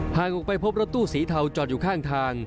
ออกไปพบรถตู้สีเทาจอดอยู่ข้างทาง